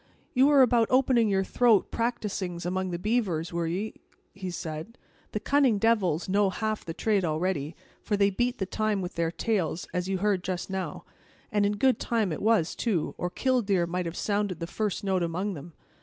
"You were about opening your throat practisings among the beavers, were ye?" he said. "The cunning devils know half the trade already, for they beat the time with their tails, as you heard just now; and in good time it was, too, or 'killdeer' might have sounded the first note among them.